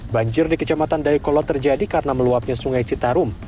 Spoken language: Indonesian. banjir di kejamatan daikolo terjadi karena meluapnya sungai citarum